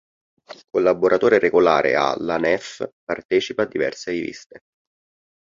Collaboratore regolare a "La Nef", partecipa a diverse riviste.